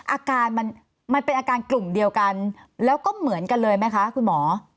อาการมันเป็นอาการกลุ่มเดียวกันแล้วก็เหมือนกันเลยไหมคะคุณหมอ